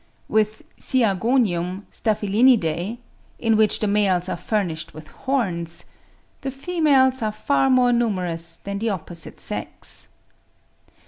With Siagonium (Staphylinidae), in which the males are furnished with horns, "the females are far more numerous than the opposite sex."